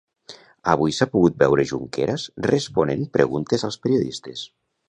Avui s'ha pogut veure Junqueras responent preguntes als periodistes.